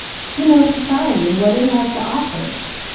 You know society and what it has to offer.